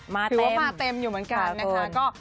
ถือว่ามาเต็มอยู่เหมือนกันนะคะ